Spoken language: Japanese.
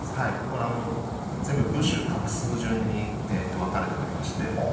これ全部部首・画数順に分かれておりまして。